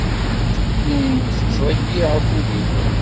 La iyi-tettḍeyyiɛeḍ akud-inu.